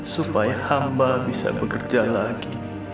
supaya hamba bisa bekerja lagi